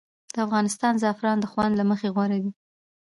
د افغانستان زعفران د خوند له مخې غوره دي